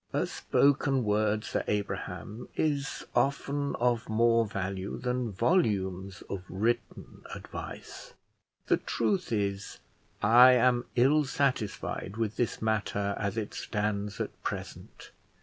"A spoken word, Sir Abraham, is often of more value than volumes of written advice. The truth is, I am ill satisfied with this matter as it stands at present.